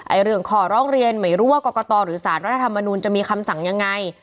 เรื่องขอร้องเรียนไม่รู้ว่ากรกตหรือสารรัฐธรรมนูลจะมีคำสั่งยังไง